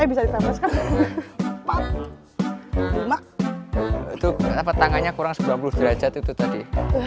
itu kenapa tangannya kurang sembilan puluh derajat itu tadi